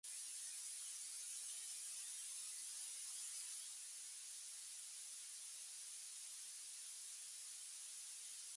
Everybody started seeing folks posting golden tickets and invites.